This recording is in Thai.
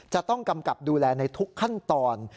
จะต้องกำกับดูแลในทุกขั้นตอน